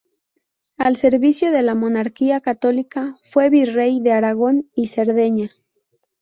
Al servicio de la monarquía católica, fue virrey de Aragón y Cerdeña.